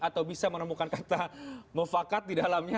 atau bisa menemukan kata mufakat di dalamnya